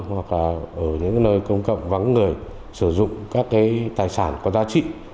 hoặc ở những nơi công cộng vắng người sử dụng các tài sản có giá trị